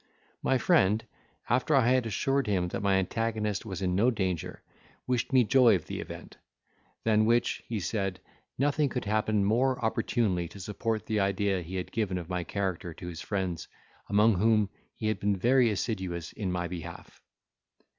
My friend, after I had assured him that my antagonist was in no danger, wished me joy of the event, than which, he said, nothing could happen more opportunely to support the idea he had given of my character to his friends, among whom he had been very assiduous in my behalf.